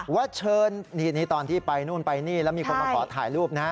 ว่าเชิญนี่ตอนที่ไปนู่นไปนี่แล้วมีคนมาขอถ่ายรูปนะ